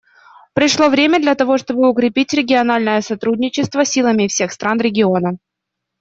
Пришло время для того, чтобы укрепить региональное сотрудничество силами всех стран региона.